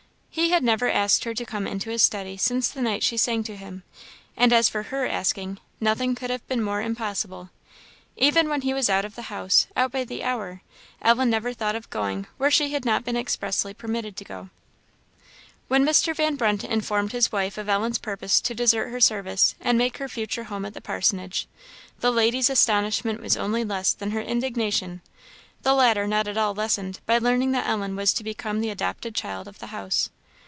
He had never asked her to come into his study since the night she sang to him; and as for her asking, nothing could have been more impossible. Even when he was out of the house, out by the hour, Ellen never thought of going where she had not been expressly permitted to go. When Mr. Van Brunt informed his wife of Ellen's purpose to desert her service, and make her future home at the parsonage, the lady's astonishment was only less than her indignation; the latter not at all lessened by learning that Ellen was to become the adopted child of the house.